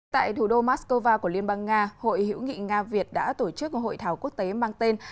tại thủ đô moscow của liên bang nga hội hữu nghị nga việt đã tổ chức hội thảo quốc tế mang tên